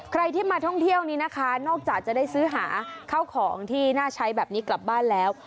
ใครที่มาท่องเที่ยวนี้นะคะนอกจากจะได้ซื้อหาข้าวของที่น่าใช้แบบนี้กลับบ้านแล้ว